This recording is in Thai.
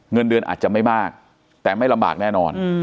เงินเดือนอาจจะไม่มากแต่ไม่ลำบากแน่นอน